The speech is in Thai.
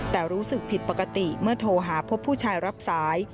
แต่รู้สึกผิดปกติเมื่อโทรหาพบผู้ชายรับสาย